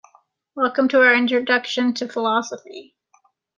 Welcome to our introduction to philosophy.